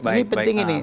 ini penting ini